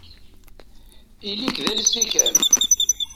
Ili-k d alsi kan.